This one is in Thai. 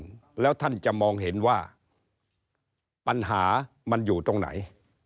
แล้วท่านจะมองเห็นว่าปัญหามันอยู่ตรงไหน